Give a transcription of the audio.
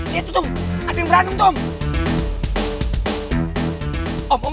lihat itu ada yang beranung tom